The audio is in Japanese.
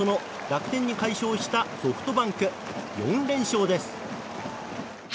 楽天に快勝したソフトバンク４連勝です。